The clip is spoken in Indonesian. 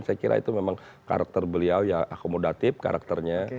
saya kira itu memang karakter beliau ya akomodatif karakternya